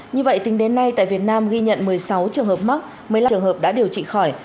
như vậy tính đến nay tại việt nam ghi nhận một mươi sáu trường hợp mắc một mươi năm trường hợp đã điều trị khỏi